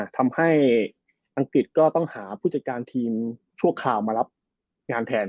ทำให้อังกฤษก็ต้องหาผู้จัดการทีมชั่วคราวมารับงานแทน